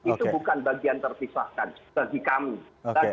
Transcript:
itu bukan bagian terpisahkan